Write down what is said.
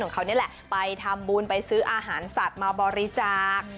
เขานี่แหละไปทำบุญไปซื้ออาหารสัตว์มาบริจาค